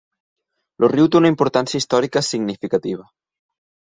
El riu té una importància històrica significativa.